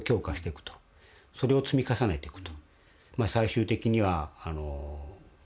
それを積み重ねていくと。